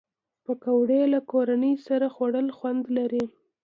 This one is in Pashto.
پکورې له کورنۍ سره خوړل خوند لري